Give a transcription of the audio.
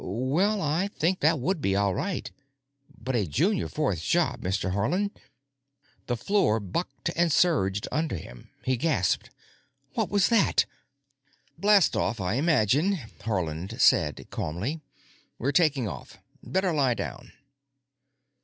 "Well, I think that would be all right. But a Junior Fourth's job, Mr. Haarland——" The floor bucked and surged under him. He gasped, "What was that?" "Blastoff, I imagine," Haarland said calmly. "We're taking off. Better lie down."